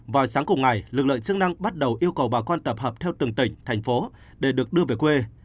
vào sáng cùng ngày lực lượng chức năng bắt đầu yêu cầu bà con tập hợp theo từng tỉnh thành phố để được đưa về quê